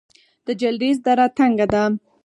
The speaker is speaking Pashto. د جلریز دره تنګه ده